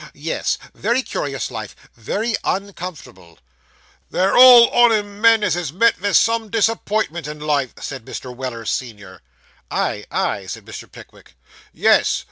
Yes; very curious life. Very uncomfortable.' 'They're all on 'em men as has met vith some disappointment in life,' said Mr. Weller, senior. 'Ay, ay,' said Mr. Pickwick. 'Yes.